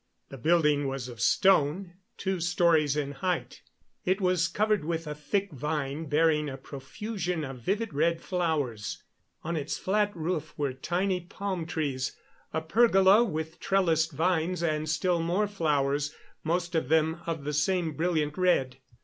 The building was of stone, two stories in height. It was covered with a thick vine bearing a profusion of vivid red flowers. On its flat roof were tiny palm trees, a pergola with trellised vines, and still more flowers, most of them of the same brilliant red.